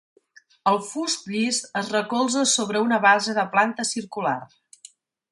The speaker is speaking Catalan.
El fust llis es recolza sobre una base de planta circular.